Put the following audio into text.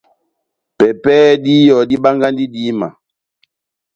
Pɛpɛhɛ díyɔ, dibangahi idíma.